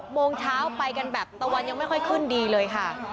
โมงเช้าไปกันแบบตะวันยังไม่ค่อยขึ้นดีเลยค่ะ